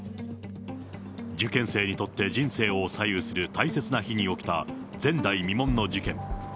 受験生にとって人生を左右する大切な日に起きた、前代未聞の事件。